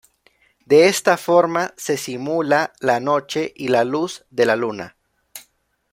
De esta forma, se simula la noche y la luz de la luna.